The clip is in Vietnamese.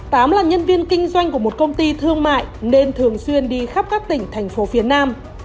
tám là nhân viên kinh doanh của một công ty thương mại nên thường xuyên đi khắp các tỉnh thành phố phía nam